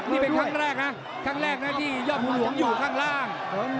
นี่เป็นครั้งแรกนะที่ยอบหุงหวงอยู่ข้างล่าง